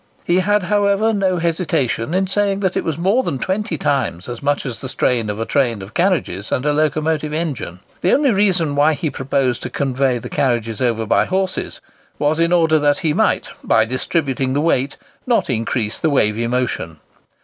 He had, however, no hesitation in saying that it was more than twenty times as much as the strain of a train of carriages and a locomotive engine. The only reason why he proposed to convey the carriages over by horses, was in order that he might, by distributing the weight, not increase the wavy motion.